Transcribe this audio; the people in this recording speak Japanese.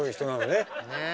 ねえ。